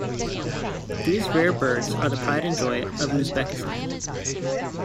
These rare birds are the pride and joy of Uzbekistan.